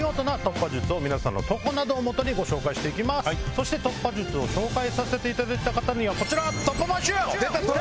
そして突破術を紹介させていただいた方には。